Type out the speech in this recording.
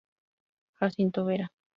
Jacinto Vera.